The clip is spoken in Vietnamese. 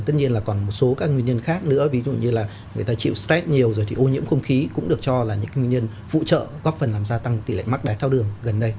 tất nhiên là còn một số các nguyên nhân khác nữa ví dụ như là người ta chịu stress nhiều rồi thì ô nhiễm không khí cũng được cho là những nguyên nhân phụ trợ góp phần làm gia tăng tỷ lệ mắc đai thao đường gần đây